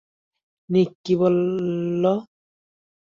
নিক কি বললো?